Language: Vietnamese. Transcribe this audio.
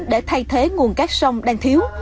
để thay thế nguồn cát sông đang thiếu